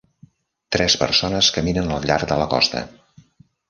Tres persones caminen al llarg de la costa.